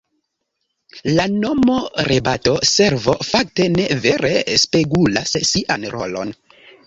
La nomo "Rebato-Servo" fakte ne vere spegulas sian rolon.